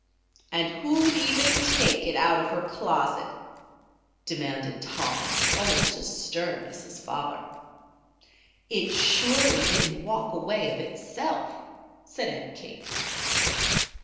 "And who'd even take it out of her closet?" demanded Tom, almost as stern as his father. "It surely didn't walk away of itself," said Aunt Kate.